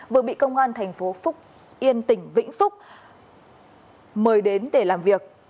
vừa bị công an tp phúc yên tỉnh vĩnh phúc mời đến để làm việc